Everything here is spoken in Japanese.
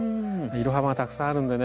色幅がたくさんあるんでね